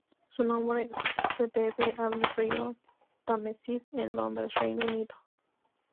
Su nombre se debe al río Támesis en Londres, Reino Unido.